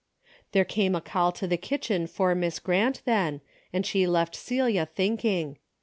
There came a call to the kitchen for Miss Grant then and she left Celia thinking.